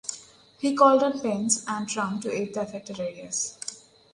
He called on Pence and Trump to aid the affected areas.